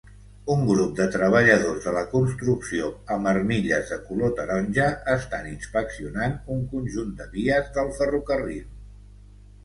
Un grup de treballadors de la construcció amb armilles de color taronja estan inspeccionant un conjunt de vies del ferrocarril.